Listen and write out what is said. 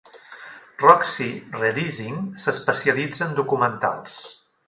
Roxie Releasing s'especialitza en documentals.